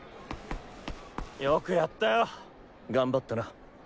よくやったよ。頑張ったな。